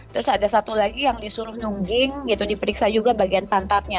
terus ada satu lagi yang disuruh nungging gitu diperiksa juga bagian pantatnya